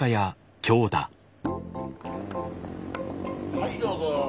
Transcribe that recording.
はいどうぞ。